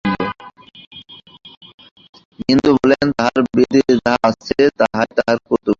হিন্দু বলেন, তাঁহার বেদে যাহা আছে, তাহাই তাঁহার কর্তব্য।